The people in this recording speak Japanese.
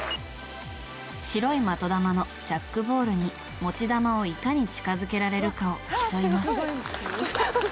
白い的球のジャックボールに持ち球をいかに近づけられるかを競います。